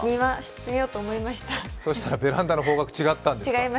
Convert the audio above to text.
ベランダの方角、違ったんですか。